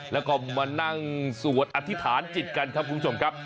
แล้วก็มานั่งสวดอธิษฐานจิตกันครับคุณผู้ชมครับ